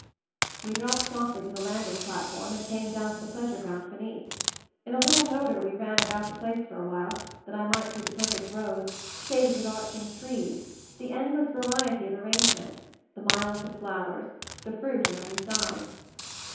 We dropped softly to the landing plat form and came down to the pleasure ground beneath. In a little motor we ran about the place for awhile, that I might see the per fect roads, shaded with arching trees, the endless variety of arrangement, the miles of flowers, the fruit on every side.